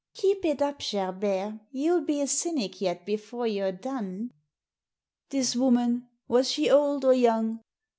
" Keep it up, Gerbert, you'll be a cynic yet before you're done." This woman, was she old or young